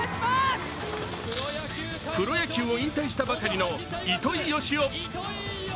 プロ野球を引退したばかりの糸井嘉男。